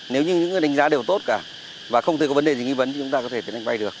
nếu như những đánh giá đều tốt cả và không thể có vấn đề gì nghi vấn thì chúng ta có thể tiến hành vay được